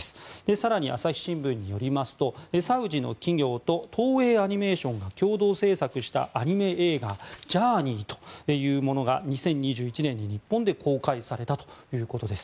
更に朝日新聞によりますとサウジの企業と東映アニメーションが協同制作したアニメ映画「ジャーニー」というものが２０２１年に日本で公開されたということです。